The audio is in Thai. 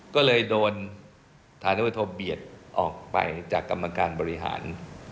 ก็เลยโดนฐานวัฒโธเบียดออกไปจากกำลังการบริหาร